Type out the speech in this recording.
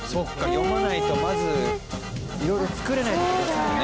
読まないとまず色々作れないって事ですもんね。